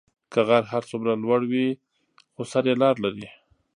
که غر هر څومره لوړی وي، خو سر یې لار لري.